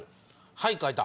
はい書いた。